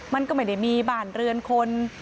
มันก็ไม่ได้มีบ้านเรือนคน